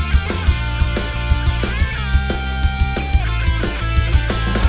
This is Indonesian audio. ya yaudah jadi keeper aja ya